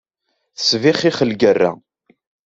Tesbixxix lgerra.